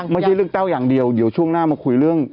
ไม่ใช่เรื่องแต้วอย่างเดียวเดี๋ยวช่วงหน้ามาคุยเรื่อง